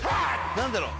何だろう？